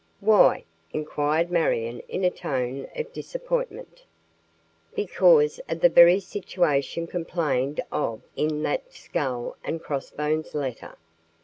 "Why?" inquired Marion in a tone of disappointment. "Because of the very situation complained of in that skull and cross bones letter.